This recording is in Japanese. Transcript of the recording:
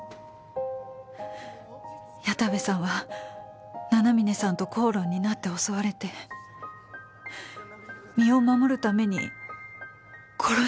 矢田部さんは七峰さんと口論になって襲われて身を守るために殺してしまったって。